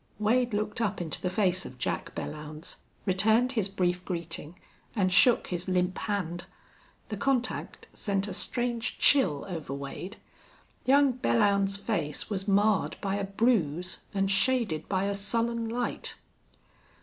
Wade looked up into the face of Jack Belllounds, returned his brief greeting, and shook his limp hand. The contact sent a strange chill over Wade. Young Belllounds's face was marred by a bruise and shaded by a sullen light.